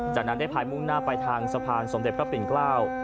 จากนั้นได้พายมุ่งหน้าไปทางสะพานสมเด็จพระปิ่นเกล้า